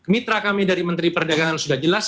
mitra kami dari menteri perdagangan sudah jelas